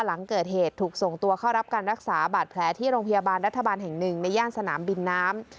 หลังเกิดเหตุถูกส่งตัวเข้ารับการรักษาบาดแผลที่โรงพยาบาลรัฐบาลแห่งหนึ่งในย่านสนามบินน้ำ